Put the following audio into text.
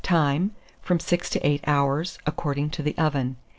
Time. From 6 to 8 hours, according to the oven.